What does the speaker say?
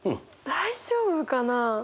大丈夫かな。